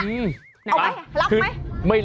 เอาไหมรับไหม